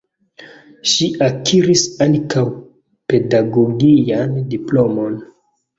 Ŝi akiris ankaŭ pedagogian diplomon.